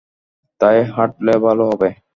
তাই হাটলে ভালো হবে।